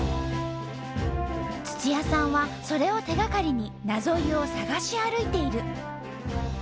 土谷さんはそれを手がかりになぞ湯を探し歩いている。